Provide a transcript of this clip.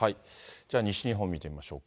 西日本見てみましょうか。